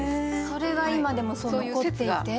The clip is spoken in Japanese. それが今でも残っていて？